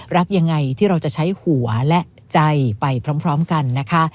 รักยังไงที่เราจะใช้หัวและใจไปพร้อมกันนะคะ